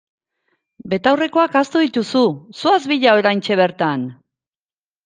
Betaurrekoak ahaztu dituzu, zoaz bila oraintxe bertan!